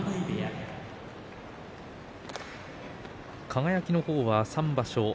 輝の方は３場所